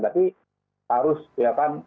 tapi harus kita lakukan